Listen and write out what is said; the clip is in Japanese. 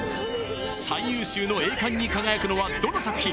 最優秀の栄冠に輝くのはどの作品？